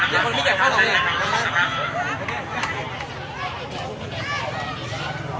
การประตูกรมทหารที่สิบเอ็ดเป็นภาพสดขนาดนี้นะครับ